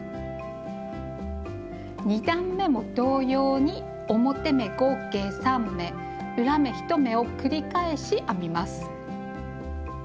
２段めも同様に表目合計３目裏目１目を繰り返し編みます。